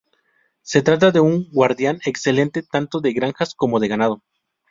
Se trata de un guardián excelente tanto de granjas como de ganado.